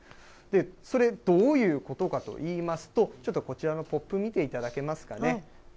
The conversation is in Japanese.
それ、どういうことかといいますと、ちょっとこちらのポップ見ていただけますかね。